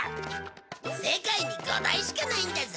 世界に５台しかないんだぞ！